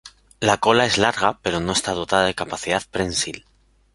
La cola es larga pero no está dotada de capacidad prensil.